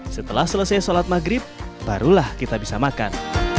setelah selesai sholat maghrib barulah kita bisa makan